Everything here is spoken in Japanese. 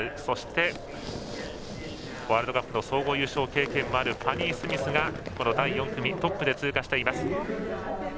そして、ワールドカップの総合優勝経験もあるファニー・スミスが第４組トップで通過しています。